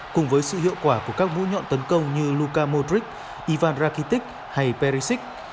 cùng với sự hiệu quả của các mũ nhọn tấn công như luka modric ivan rakitic hay perisic